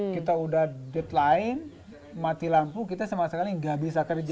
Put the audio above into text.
kita udah deadline mati lampu kita sama sekali nggak bisa kerja